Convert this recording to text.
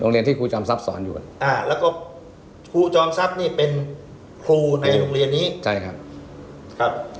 วงเรียนที่ครูจอมทรัพย์สอนอยู่กัน